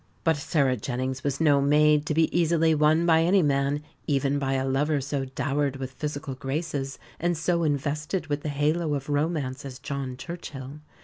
But Sarah Jennings was no maid to be easily won by any man even by a lover so dowered with physical graces and so invested with the halo of romance as John Churchill.